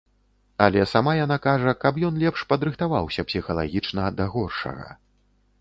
Але сама яна кажа, каб ён лепш падрыхтаваўся псіхалагічна да горшага.